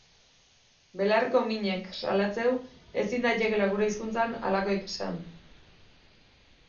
Belarriko minak salatzen du ezin daitekeela gure hizkuntzan horrelakorik esan.